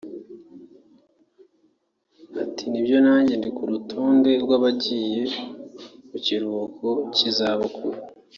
Ati “Ni byo nanjye ndi ku rutonde rw’abagiye mu kiruhuko cy’izabukuru